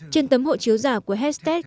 trên tấm hộ chiếu giả của hestet